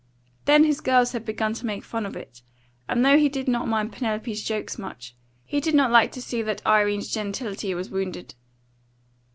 Then his girls had begun to make fun of it; and though he did not mind Penelope's jokes much, he did not like to see that Irene's gentility was wounded.